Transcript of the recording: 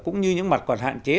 cũng như những mặt còn hạn chế